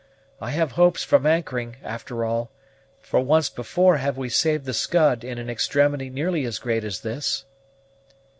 I have hopes from anchoring, after all; for once before have we saved the Scud in an extremity nearly as great as this."